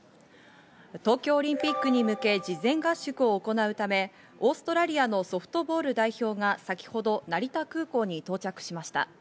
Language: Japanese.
東京オリンピックに向け、事前合宿行うため、オーストラリアのソフトボール代表が先ほど成田空港に到着しました。